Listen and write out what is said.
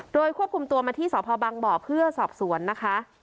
โดยควบคุมตัวมาที่สพบังบ่อเพื่อสอบสวนนะคะ